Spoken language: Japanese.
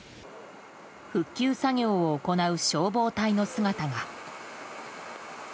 復旧作業を行う消防隊の姿が。